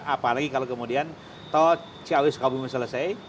apalagi kalau kemudian tol ciawi sukabumi selesai